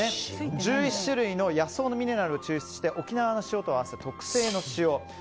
１１種類の野草のミネラルを抽出して沖縄の塩と合わせた特製の塩。